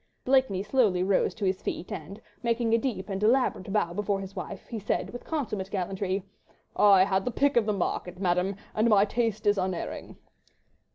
Blakeney slowly rose to his feet, and, making a deep and elaborate bow before his wife, he said with consummate gallantry,— "I had the pick of the market, Madame, and my taste is unerring."